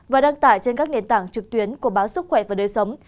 và đăng tải trên các nền tảng trực tuyến của báo sức khỏe và đời sống